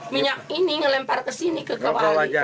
minyak ini ngelempar kesini ke kewali